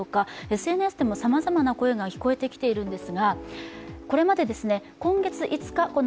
ＳＮＳでもさまざまな声が聞こえてきています。